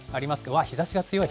わあ、日ざしが強い。